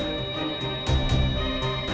kamu tetap masih memitih